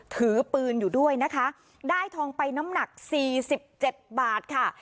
ถือปืนอยู่ด้วยนะคะได้ทองไปน้ำหนักสี่สิบเจ็ดบาทค่ะ